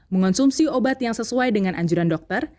mengonsumsi obat yang sesuai dengan anjuran dokter